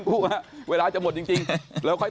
ตำรวจบอกว่าภายในสัปดาห์เนี้ยจะรู้ผลของเครื่องจับเท็จนะคะ